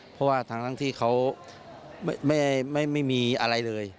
เพราะว่าทั้งที่เขาไม่มีอะไรเลย